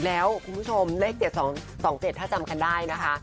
แล้วคุณผู้ชมเลข๗๒๗ถ้าจำกันได้นะคะ